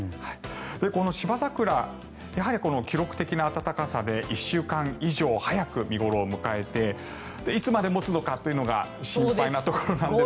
このシバザクラ記録的な暖かさで１週間以上早く見頃を迎えていつまで持つのかというのが心配なところなんですが。